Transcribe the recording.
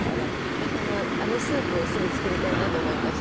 私あのスープをすぐ作りたいなと思いました。